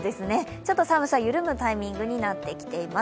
ちょっと寒さ、緩むタイミングになってきています。